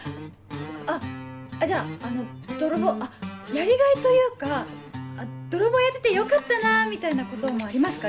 あっじゃああの泥棒あっやりがいというか泥棒やっててよかったなみたいなこともありますか？